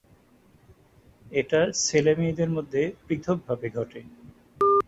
এটা ছেলেমেয়েদের মধ্যে পৃথকভাবে ঘটে।